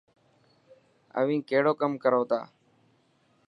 اوهين ڪهڙو ڪم ڪرو ٿا؟